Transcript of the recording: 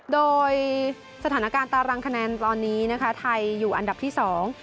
โดยสถานการณ์ตารางคะแนนตอนนี้นะคะไทยอยู่อันดับที่สอง